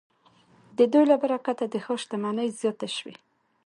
د دوی له برکته د ښار شتمني زیاته شوې.